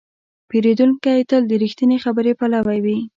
پیرودونکی تل د رښتینې خبرې پلوی وي.